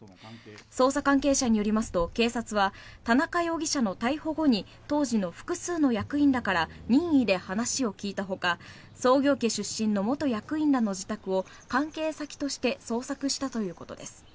捜査関係者によりますと警察は田中容疑者の逮捕後に当時の複数の役員らから任意で話を聞いたほか創業家出身の元役員らの自宅を関係先として捜索したということです。